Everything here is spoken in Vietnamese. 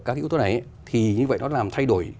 các cái ưu tố này thì như vậy nó làm thay đổi